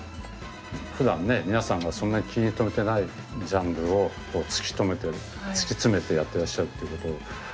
ふだんね皆さんがそんなに気に留めてないジャンルを突き止めて突き詰めてやってらっしゃるっていうこと。